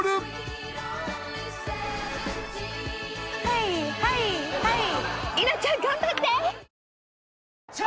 はいはいはい。